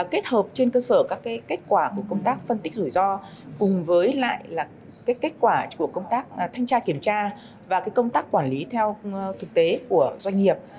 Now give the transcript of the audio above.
kết hợp trên cơ sở các kết quả của công tác phân tích rủi ro cùng với lại kết quả của công tác thanh tra kiểm tra và công tác quản lý theo thực tế của doanh nghiệp